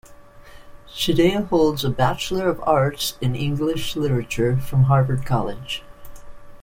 Chideya holds a Bachelor of Arts in English Literature from Harvard College.